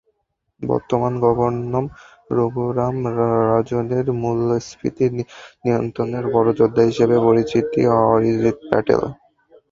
বর্তমান গভর্নর রঘুরাম রাজনের মূল্যস্ফীতি নিয়ন্ত্রণের বড় যোদ্ধা হিসেবে পরিচিত আরজিৎ প্যাটেল।